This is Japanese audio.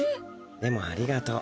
でもありがとう。